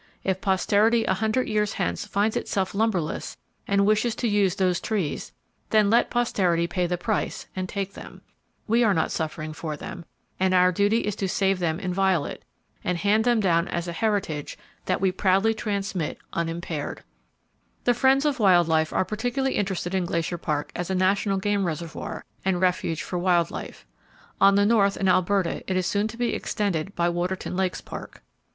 If Posterity a hundred years hence finds itself lumberless, and wishes to use those trees, then let Posterity pay the price, and take them. We are not suffering for them; and our duty is to save them inviolate, and hand them down as a heritage that we proudly transmit unimpaired. [Page 339] UNITED STATES NATIONAL GAME PRESERVES and Five Pacific Bird Refuges [Page 340] The friends of wild life are particularly interested in Glacier Park as a national game reservoir, and refuge for wild life. On the north, in Alberta, it is soon to be extended by Waterton Lakes Park.